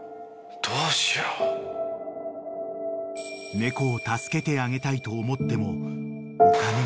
［猫を助けてあげたいと思ってもお金がない］